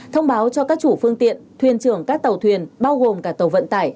thông báo cho các chủ phương tiện thuyền trưởng các tàu thuyền bao gồm cả tàu vận tải